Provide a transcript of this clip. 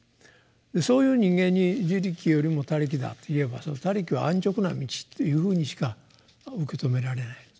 でそういう人間に「自力」よりも「他力」だと言えば「他力」は安直な道っていうふうにしか受け止められない。